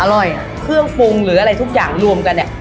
อร่อยเครื่องปรุงหรืออะไรทุกอย่างรวมกันเนี่ย